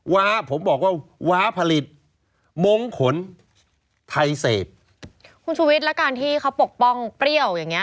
ว้าผมบอกว่าว้าผลิตมงขนไทยเสพคุณชุวิตแล้วการที่เขาปกป้องเปรี้ยวอย่างเงี้